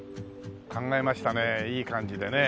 考えましたねいい感じでね。